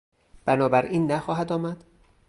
بنابراین نخواهد آمد؟